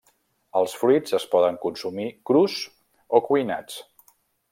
Els fruits es poden consumir crus o cuinats.